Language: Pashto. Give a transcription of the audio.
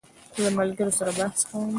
زه له ملګرو سره بحث کوم.